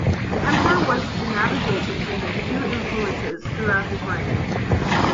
The Emperor was to navigate between the two influences throughout his reign.